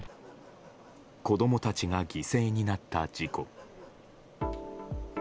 子供たちが犠牲になった事故。